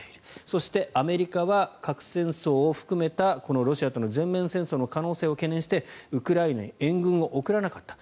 そしてアメリカは核戦争を含めたロシアとの全面戦争の可能性を懸念してウクライナに援軍を送らなかった。